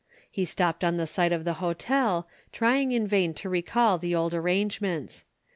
He stopped on the site of the hotel, trying in vain to recall the old arrangements.